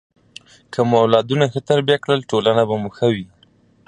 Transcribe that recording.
که مو اولادونه ښه تربیه کړل، ټولنه به مو ښه وي.